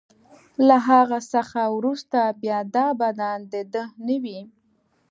له هغه څخه وروسته بیا دا بدن د ده نه وي.